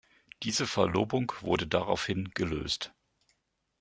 Diese Verlobung wurde daraufhin gelöst.